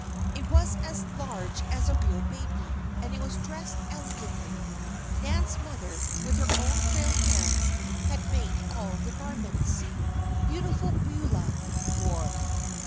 It was as large as a real baby, and it was dressed elegantly. Nan's mother, with her own frail hands, had made all the garments "Beautiful Beulah" wore.